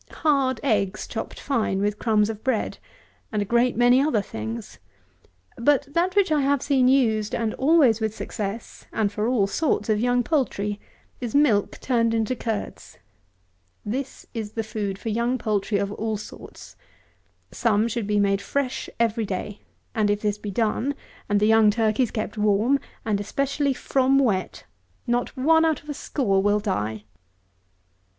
Hard eggs chopped fine, with crumbs of bread, and a great many other things; but that which I have seen used, and always with success, and for all sorts of young poultry, is milk turned into curds. This is the food for young poultry of all sorts. Some should be made fresh every day; and if this be done, and the young turkeys kept warm, and especially from wet, not one out of a score will die.